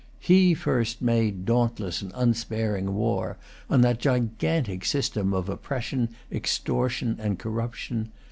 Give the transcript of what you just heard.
He first made dauntless and unsparing war on that gigantic system of oppression, extortion, and corruption.